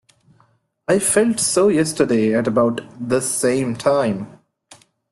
I felt so yesterday at about this same time.